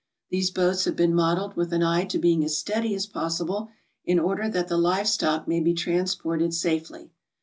These boats have been modelled with an eye to being as steady as possible in order that the live stock may be transported safely.